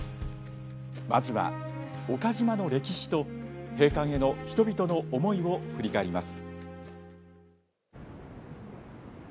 まずは岡島の歴史と閉館への人々の思いを振り返ります。